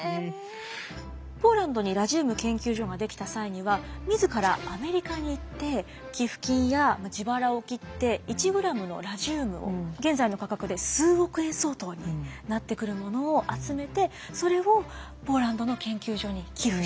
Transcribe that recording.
ポーランドにラジウム研究所が出来た際には自らアメリカに行って寄付金や自腹を切って１ｇのラジウムを現在の価格で数億円相当になってくるものを集めてそれをポーランドの研究所に寄付して。